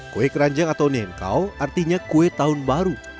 kue keranjang atau nengkau artinya kue tahun baru